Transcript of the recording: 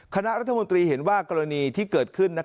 คณะรัฐมนตรีเห็นว่ากรณีที่เกิดขึ้น